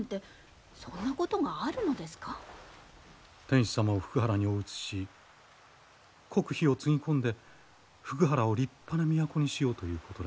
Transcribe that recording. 天子様を福原にお移しし国費をつぎ込んで福原を立派な都にしようということらしい。